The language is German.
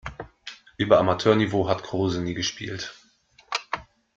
Über Amateurniveau hat Kruse nie gespielt.